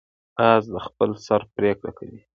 باز د خپل سر پریکړه کوي